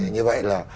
như vậy là